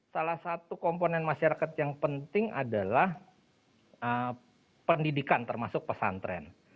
salah satu komponen masyarakat yang penting adalah pendidikan termasuk pesantren